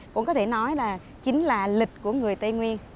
cũng có thể nói là chính là lịch của người tây nguyên